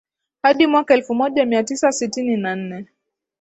hadi mwaka elfu moja mia tisa sitini na nne